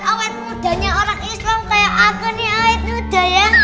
kalau obat obat mudanya orang islam kayak aku nih awet muda ya